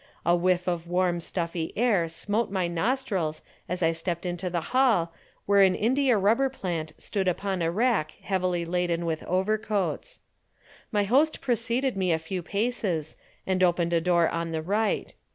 A whiff of warm stuffy air smote my nostrils as I stepped into the hall where an india rubber plant stood upon a rack heavily laden with overcoats. My host preceded me a few paces and opened a door on the right.